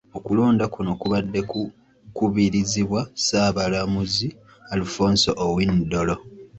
Okulonda kuno kubadde ku kubirizibwa Ssaabalamuzi Alfonse Owiny-Dollo.